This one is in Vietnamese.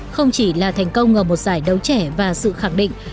không chỉ là thành công ở một giải đấu trẻ và sự khẳng định